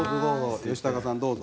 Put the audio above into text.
蛍原：吉高さん、どうぞ。